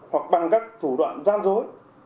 hoặc bằng các thủ đoạn gian dối